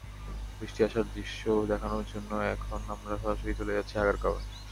বৃষ্টি আসার দৃশ্য দেখানোর জন্য এখন আমরা সরাসরি চলে যাচ্ছি আগারগাঁওয়ে।